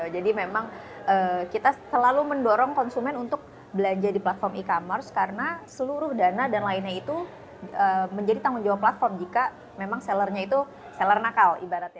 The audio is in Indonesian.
jadi memang kita selalu mendorong konsumen untuk belanja di platform e commerce karena seluruh dana dan lainnya itu menjadi tanggung jawab platform jika memang sellernya itu seller nakal